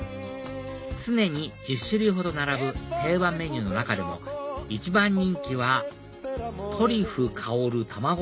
常に１０種類ほど並ぶ定番メニューの中でも一番人気はトリュフ香るたまご